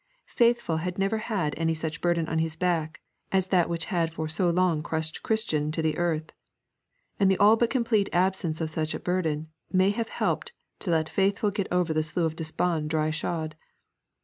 Faithful had never had any such burden on his back as that was which had for so long crushed Christian to the earth. And the all but complete absence of such a burden may have helped to let Faithful get over the Slough of Despond dry shod.